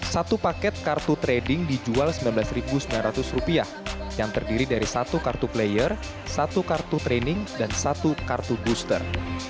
satu paket kartu trading dijual rp sembilan belas sembilan ratus yang terdiri dari satu kartu player satu kartu training dan satu kartu booster